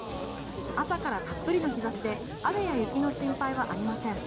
朝からたっぷりの日差しで雨や雪の心配はありません。